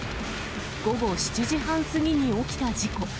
午後７時半過ぎに起きた事故。